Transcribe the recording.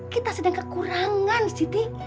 kita sedang kekurangan siti